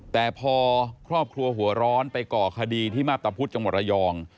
แต่พอครอบครัวหัวร้อนไปก่อคดีที่มาพตะพุธจังหวัดระยอง